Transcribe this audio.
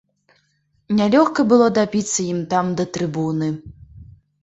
Нялёгка было дабіцца ім там да трыбуны.